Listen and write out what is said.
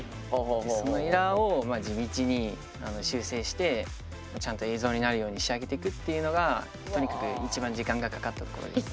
そのエラーを地道に修正してちゃんと映像になるように仕上げていくっていうのがとにかく一番時間がかかったところです。